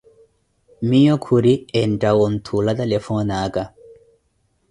Miyo khuri, entta onthuula telefoni aka.